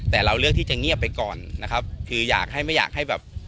แต่เราเลือกที่จะเงียบไปก่อนนะครับคืออยากให้ไม่อยากให้แบบ